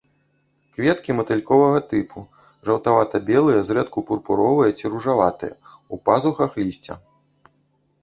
Кветкі матыльковага тыпу, жаўтавата-белыя, зрэдку пурпуровыя ці ружаватыя, у пазухах лісця.